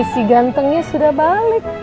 si gantengnya sudah balik